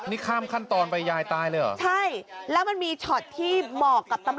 อีกนิดหน่อยค่ะลองฟังครับ